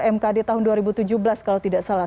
mkd tahun dua ribu tujuh belas kalau tidak salah